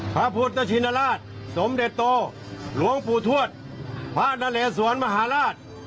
พระพุทธชินราชสมเด็จโตหลวงปู่ทวดพระนเลสวนมหาราช